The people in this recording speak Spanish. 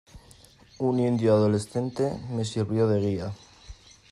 un indio adolescente me sirvió de guía.